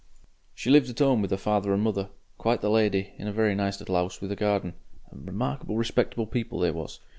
"She lived at 'ome with 'er father and mother, quite the lady, in a very nice little 'ouse with a garden and remarkable respectable people they was.